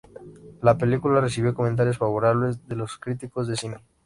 La película recibió comentarios favorables de los críticos de cine.